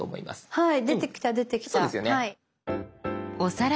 はい。